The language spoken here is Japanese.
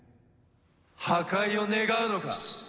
破壊を願うのか！？